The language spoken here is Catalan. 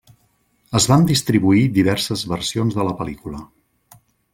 Es van distribuir diverses versions de la pel·lícula.